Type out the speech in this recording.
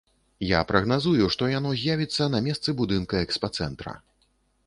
Я прагназую, што яно з'явіцца на месцы будынка экспацэнтра.